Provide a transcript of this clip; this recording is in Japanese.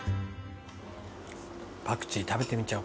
パクチー食べてみ